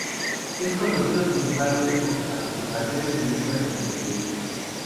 Es conocido principalmente por su participación en películas independientes.